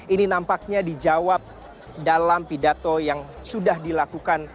ini nampaknya dijawab dalam pidato yang sudah dilakukan